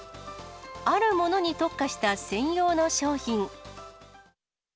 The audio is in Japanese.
あるものに特化した専用の商品。